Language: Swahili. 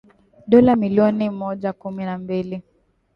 dola milioni mia moja kumi na mbili